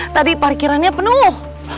tadi parkirannya penuh